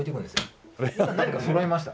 今何かそろいました。